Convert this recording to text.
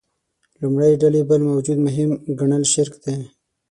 لومړۍ ډلې بل موجود مهم ګڼل شرک دی.